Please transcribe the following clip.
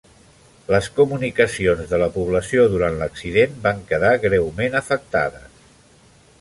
Les comunicacions de la població durant l'accident van quedar greument afectades.